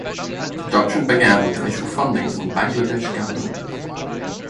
Production began with initial funding from the Bangladesh Government.